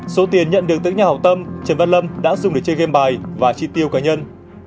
số tiền nhận được từ các nhà hậu tâm trần văn lâm đã dùng để chơi game bài và chi tiêu cá nhân